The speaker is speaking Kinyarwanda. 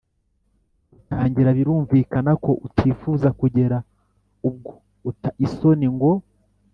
rutangira Birumvikana ko utifuza kugera ubwo uta isoni ngo